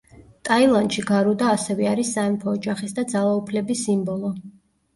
ტაილანდში გარუდა ასევე არის სამეფო ოჯახის და ძალაუფლების სიმბოლო.